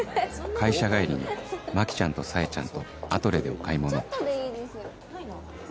会社帰りにマキちゃんとサエちゃんとアトレでお買い物ないな。